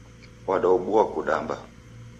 Wadaobua kudamba.